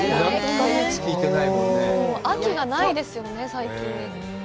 秋がないですよね、最近。